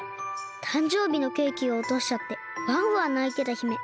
たんじょうびのケーキをおとしちゃってわんわんないてた姫。